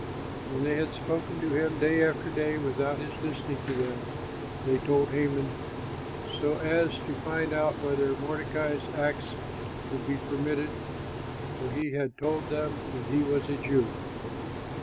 When they had spoken to him day after day without his listening to them, they told Haman, so as to find out whether Mordecai's acts would be permitted, for he had told them that he was a Jew.